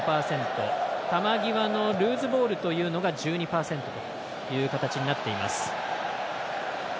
球際のルーズボールというのが１２％という形になっています。